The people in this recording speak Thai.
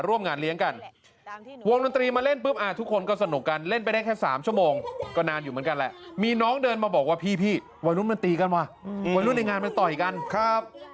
วัยรุ่นในงานมาตร่อยกันครับ